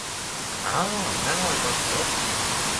Ah men den har eg jo faktisk høyrt om!